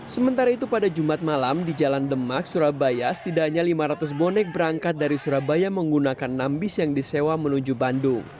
sementara itu pada jumat malam di jalan demak surabaya setidaknya lima ratus bonek berangkat dari surabaya menggunakan nambis yang disewa menuju bandung